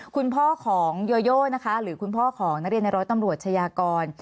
คุณพ่อของโยโยนะคะหรือคุณพ่อของนักเรียนในร้อยตำรวจชายากร